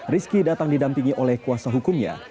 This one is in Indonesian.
rizki datang didampingi oleh kuasa hukumnya